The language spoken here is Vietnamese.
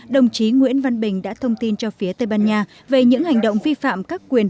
đồng chí nguyễn văn bình đã thông tin cho phía tây ban nha về những hành động vi phạm các quyền